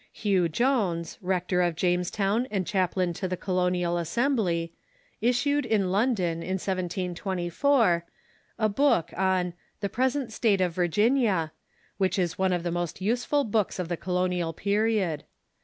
Hugh Jones, rector of Jamestown and chaplain to the Colonial Assembly, issued in London, in 1724, a book on "The Present State of Virginia," Avhich is one of the most useful books of the colonial period.